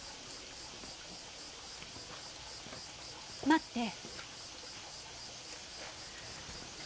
待って。